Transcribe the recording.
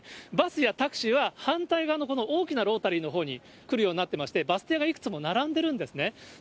バスやタクシーは反対側のこの大きなロータリーのほうに来るようになってまして、バス停がいくつも並んでるんですね。